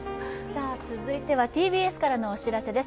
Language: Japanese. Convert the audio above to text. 続いてはＴＢＳからのお知らせです。